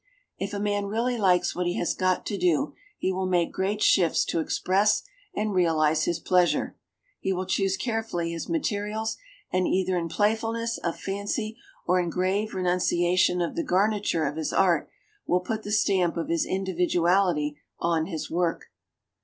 If a man really likes what he has got to do, he will make great shifts to express and realise his pleasure; he will choose carefully his materials, and either in playfulness of fancy, or in grave renunciation of the garniture of his art, will put the stamp of his individuality on his work.